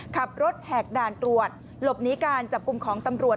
แหกด่านตรวจหลบหนีการจับกลุ่มของตำรวจ